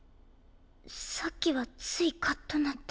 さっきはついカッとなって。